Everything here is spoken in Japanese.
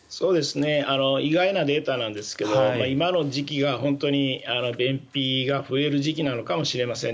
意外なデータなんですが今の時期が本当に便秘が増える時期なのかもしれません。